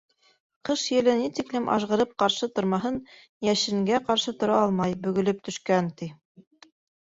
Ҡыш еле ни тиклем ажғырып ҡаршы тормаһын, йәшенгә ҡаршы тора алмай, бөгөлөп төшкән, ти.